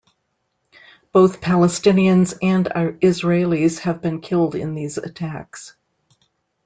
Both Palestinians and Israelis have been killed in these attacks.